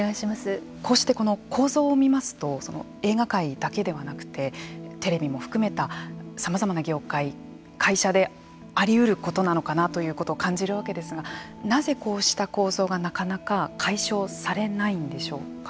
こうして構造を見ますと映画界だけではなくてテレビも含めたさまざまな業界会社であり得ることなのかなということを感じるわけですがなぜこうした構造がなかなか解消されないんでしょうか。